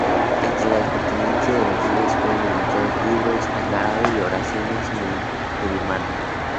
Entre las pertenencias de los líderes fueron encontrados libros en árabe y oraciones musulmanas.